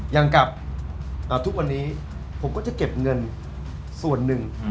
อย่างกับทุกวันนี้ผมก็จะเก็บเงินส่วนหนึ่ง